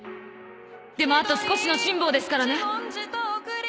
でもあと少しの辛抱ですからね